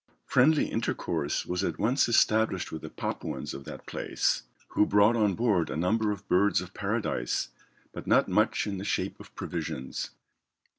Friendly intercourse was at once established with the Papuans of that place, who brought on board a number of birds of paradise, but not much in the shape of provisions.